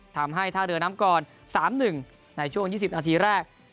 ทำให้ท่าเรือน้ำก่อน๓๑ในช่วง๒๐นาทีแรก